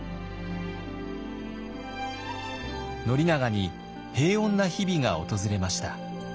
宣長に平穏な日々が訪れました。